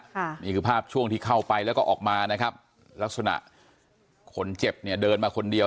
นี่คือภาพช่วงที่เข้าไปแล้วก็ออกมานะครับลักษณะคนเจ็บเนี่ยเดินมาคนเดียว